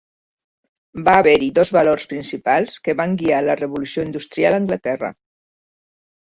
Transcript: Va haver-hi dos valors principals que van guiar la Revolució Industrial a Anglaterra.